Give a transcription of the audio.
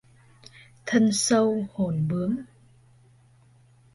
Thân sâu hồn bướm